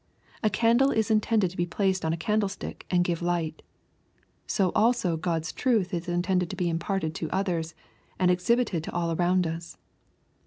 A candle is hitended to be placed on a candlestick and give light So also God'a truth is intended to be imparted to others, and exhibited to all around us.